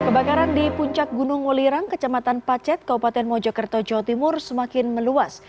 kebakaran di puncak gunung wulirang kecamatan pacet kabupaten mojokerto jawa timur semakin meluas